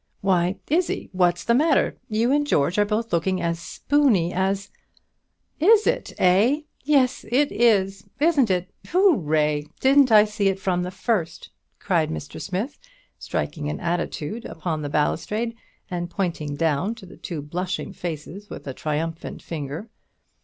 Why, Izzie, what's the matter? you and George are both looking as spooney as is it, eh? yes, it is: isn't it? Hooray! Didn't I see it from the first?" cried Mr. Smith, striking an attitude upon the balustrade, and pointing down to the two blushing faces with a triumphant finger.